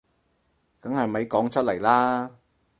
梗係咪講出嚟啦